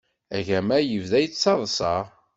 Agama yebda yettaḍsa.